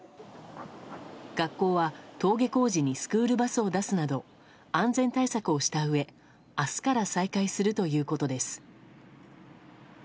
学校は登下校時にスクールバスを出すなど安全対策をしたうえ明日から再開するということです。